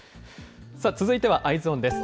続いてはＥｙｅｓｏｎです。